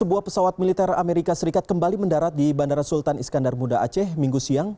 sebuah pesawat militer amerika serikat kembali mendarat di bandara sultan iskandar muda aceh minggu siang